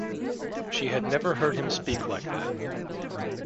She had never heard him speak like that.